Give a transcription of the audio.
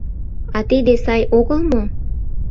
— А тиде сай огыл мо?